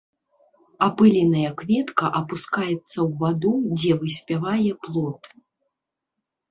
Апыленая кветка апускаецца ў ваду, дзе выспявае плод.